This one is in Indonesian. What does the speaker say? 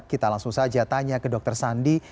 kita langsung saja tanya ke dokter sandi